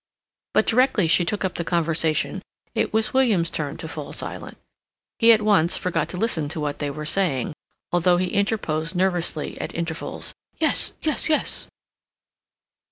But directly she took up the conversation, it was William's turn to fall silent. He at once forgot to listen to what they were saying, although he interposed nervously at intervals, "Yes, yes, yes."